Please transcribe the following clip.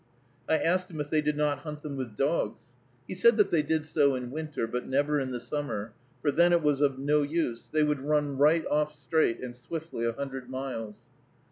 I asked him if they did not hunt them with dogs. He said that they did so in winter, but never in the summer, for then it was of no use; they would run right off straight and swiftly a hundred miles.